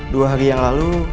dua hari yang lalu